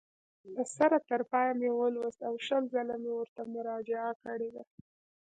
له سره تر پایه مې ولوست او شل ځله مې ورته مراجعه کړې ده.